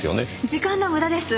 時間の無駄です。